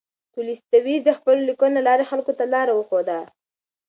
تولستوی د خپلو لیکنو له لارې خلکو ته لاره وښوده.